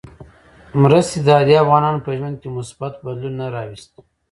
مرستې د عادي افغانانو په ژوند کې مثبت بدلون نه وست.